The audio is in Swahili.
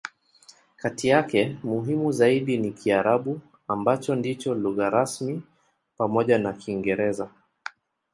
Kati yake, muhimu zaidi ni Kiarabu, ambacho ndicho lugha rasmi pamoja na Kiingereza.